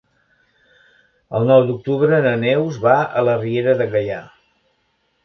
El nou d'octubre na Neus va a la Riera de Gaià.